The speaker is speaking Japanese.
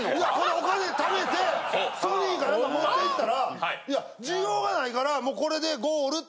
お金貯めてソニーか何か持って行ったらいや需要がないからもうこれでゴールって。